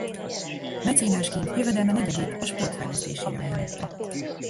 Mecénásként jövedelme negyedét a sport fejlesztésére ajánlotta.